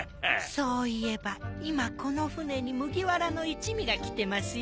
そういえば今この船に麦わらの一味が来てますよ。